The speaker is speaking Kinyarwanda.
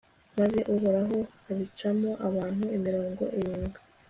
maze uhoraho abicamo abantu mirongo irindwi